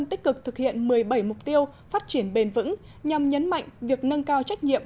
tích cực thực hiện một mươi bảy mục tiêu phát triển bền vững nhằm nhấn mạnh việc nâng cao trách nhiệm